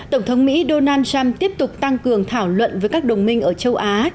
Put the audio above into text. tổng thống mỹ donald trump tiếp tục tăng cường thảo luận với các đồng minh ở châu á